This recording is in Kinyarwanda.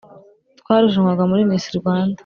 twarushanwaga muri miss rwanda.